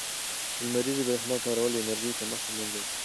د لمریزې برښنا کارول د انرژۍ کمښت له منځه وړي.